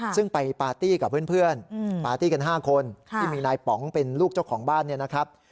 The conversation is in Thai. ซึ่งไปปาร์ตี้กับเพื่อนปาร์ตี้กัน๕คนที่มีนายป๋องเป็นลูกเจ้าของบ้านเนี่ยนะครับ